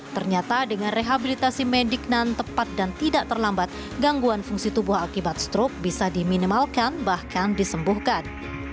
ternyata dengan rehabilitasi medik nan tepat dan tidak terlambat gangguan fungsi tubuh akibat stroke bisa diminimalkan bahkan disembuhkan